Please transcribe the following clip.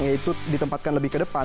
yaitu ditempatkan lebih ke depan